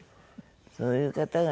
そういう方がね